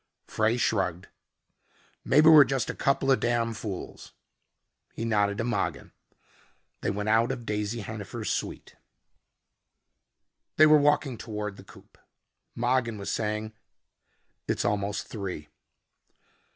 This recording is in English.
Frey shrugged. "Maybe we're just a couple of damn fools." He nodded to Mogin. They went out of Daisy Hennifer's suite. They were walking toward the coupe. Mogin was saying, "It's almost three."